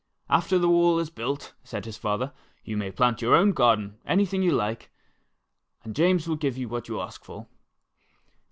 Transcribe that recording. "After the wall is built," said his father, *'you may plant in your garden anything you like, and James will give you what you ask for."